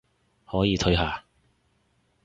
可以退下